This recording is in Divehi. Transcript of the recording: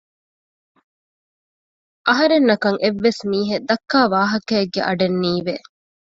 އަހަރެންނަކަށް އެއްވެސް މީހެއް ދައްކާވާހަކައެއްގެ އަޑެއް ނީވެ